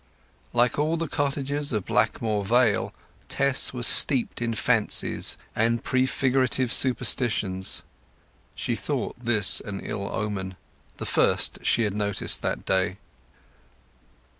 Like all the cottagers in Blackmoor Vale, Tess was steeped in fancies and prefigurative superstitions; she thought this an ill omen—the first she had noticed that day.